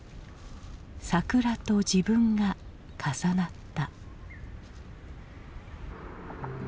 桜と自分が重なった。